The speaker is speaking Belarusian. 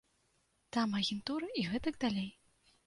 Там агентура і гэтак далей.